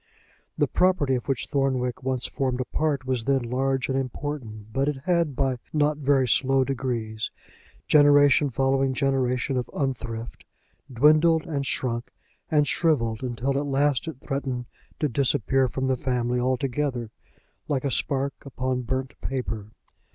The property of which Thornwick once formed a part was then large and important; but it had, by not very slow degrees, generation following generation of unthrift, dwindled and shrunk and shriveled, until at last it threatened to disappear from the family altogether, like a spark upon burnt paper.